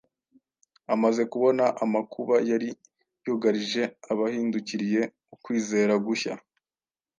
Amaze kubona amakuba yari yugarije abahindukiriye ukwizera gushya,